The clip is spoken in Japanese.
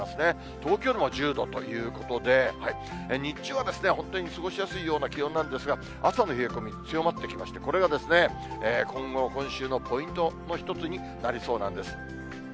東京でも１０度ということで、日中は本当に過ごしやすいような気温なんですが、朝の冷え込み強まってきまして、これが今後、今週のポイントの一つになりそうなんです。